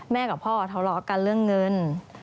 กับพ่อทะเลาะกันเรื่องเงิน